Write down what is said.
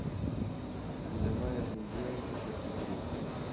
Sînemaya Hindiyan jî serketî ye.